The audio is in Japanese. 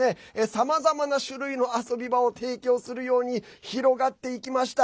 さまざまな種類の遊び場を提供するように広がっていきました。